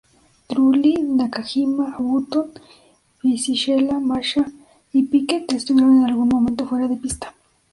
Trulli, Nakajima, Button, Fisichella, Massa y Piquet estuvieron en algún momento fuera de pista.